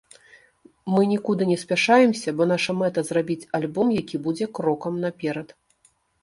Мы нікуды не спяшаемся, бо наша мэта зрабіць альбом, які будзе крокам наперад.